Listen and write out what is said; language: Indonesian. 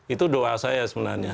itu doa saya sebenarnya